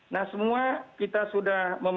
nah semua kita sudah